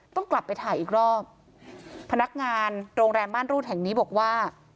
ต้องกลับไปถ่ายอีกรอบพนักงานโรงแรมม่านรูดแห่งนี้บอกว่า